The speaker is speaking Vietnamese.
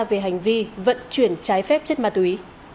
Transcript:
về hành vi vận chuyển trái phép chất ma túy